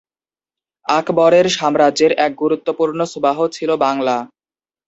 আকবরের সাম্রাজ্যের এক গুরুত্বপূর্ণ সুবাহ ছিল বাংলা।